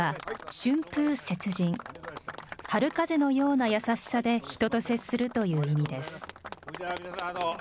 春風のような優しさで人と接するという意味です。